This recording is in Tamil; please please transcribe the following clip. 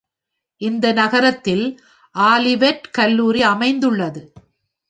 இந்த நகரத்தில் ஆலிவெட் கல்லூரி அமைந்துள்ளது.